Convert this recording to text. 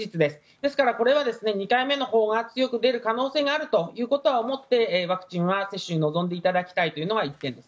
ですからこれは２回目のほうが強く出る可能性があると思って、ワクチンは接種に臨んでいただきたいのが１点です。